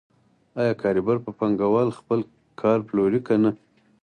آیا کارګر په پانګوال خپل کار پلوري که نه